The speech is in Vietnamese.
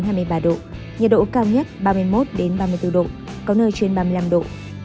nhiệt độ cao nhất ba mươi một ba mươi bốn độ có nơi trên ba mươi năm độ